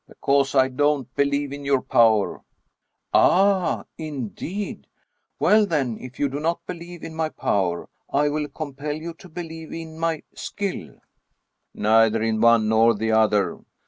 " Because I don't believe in your power." " Ah, indeed 1 Well, then, if you do not believe in my power, I will compel you to believe in my skill." " Neither in one nor the other."